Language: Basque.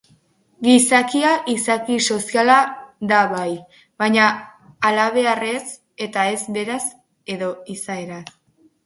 Gizakia izaki soziala da bai, baina halabeharrez eta ez berez edo izaeraz.